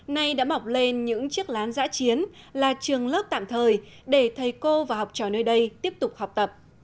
nay đã mọc lên những chiếc lán giã chiến là trường lớp tạm thời để thầy cô và học trò nơi đây tiếp tục học tập